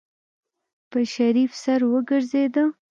په شريف سر وګرځېده.